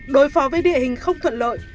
đối phó với địa hình không thuận lợi